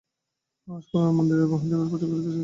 আজ করুণা মন্দিরে মহাদেবের পূজা করিতে গিয়াছে।